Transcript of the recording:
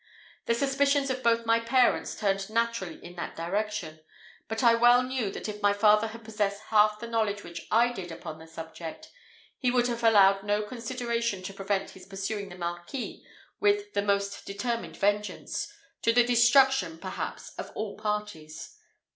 The suspicions of both my parents turned naturally in that direction; but I well knew that if my father had possessed half the knowledge which I did upon the subject, he would have allowed no consideration to prevent his pursuing the Marquis with the most determined vengeance, to the destruction, perhaps, of all parties.